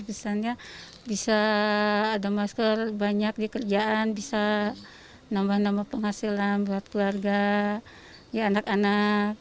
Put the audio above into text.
misalnya bisa ada masker banyak di kerjaan bisa nambah nambah penghasilan buat keluarga anak anak